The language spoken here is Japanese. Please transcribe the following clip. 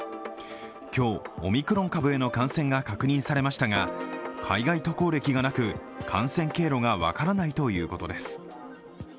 今日、オミクロン株への感染が確認されましたが、海外渡航歴がなく、感染経路が分からないということです。